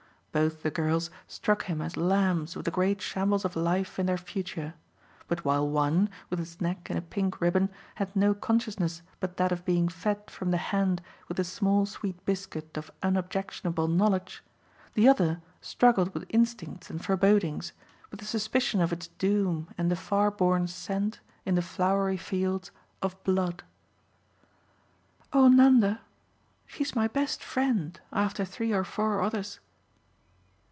Both the girls struck him as lambs with the great shambles of life in their future; but while one, with its neck in a pink ribbon, had no consciousness but that of being fed from the hand with the small sweet biscuit of unobjectionable knowledge, the other struggled with instincts and forebodings, with the suspicion of its doom and the far borne scent, in the flowery fields, of blood. "Oh Nanda, she's my best friend after three or four others."